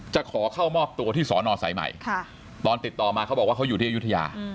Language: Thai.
จะขอเข้ามอบตัวที่สอนอสายใหม่ตอนติดต่อมาเขาบอกว่าเขาอยู่ที่อายุทยา